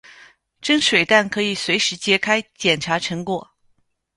蒸水蛋可以随时揭开捡查成果。